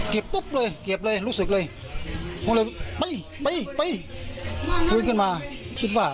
เก็บปุ๊บเลยเก็บเลยรู้สึกเลยไปไปฮื้นขึ้นมา